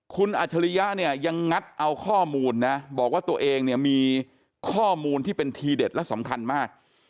คุณอัจฉริยะเนี่ยยังงัดเอาข้อมูลนะบอกว่าตัวเองเนี่ยมีข้อมูลที่เป็นทีเด็ดและสำคัญมาก